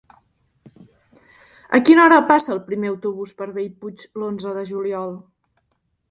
A quina hora passa el primer autobús per Bellpuig l'onze de juliol?